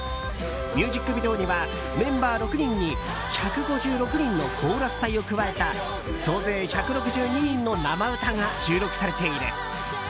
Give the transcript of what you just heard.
ミュージックビデオにはメンバー６人に１５６人のコーラス隊を加えた総勢１６２人の生歌が収録されている。